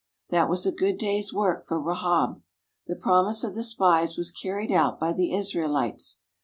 That was a good day's work for Rahab. The promise of the spies was carried out by the Israelites.